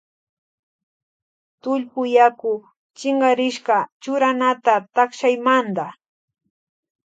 Tullpuyaku chinkarishka churanata takshaymanta.